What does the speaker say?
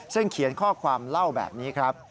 ซึ่งเขียนข้อความเล่าแบบนี้ครับ